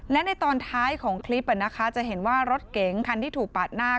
และในตอนท้ายของคลิปจะเห็นว่ารถเก๋งคันที่ถูกปาดหน้า